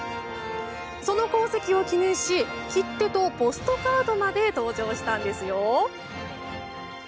その功績を記念し切手とポストカードまで登場したんですよ。